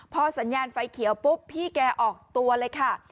พอสัญญาณไฟเขียวปุ๊บพี่แกออกตัวเลยค่ะ